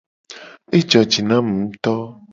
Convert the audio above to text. Ejo ji na mu nguto.